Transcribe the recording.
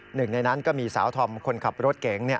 หนึ่งในนั้นก็มีสาวธอมคนขับรถเก๋ง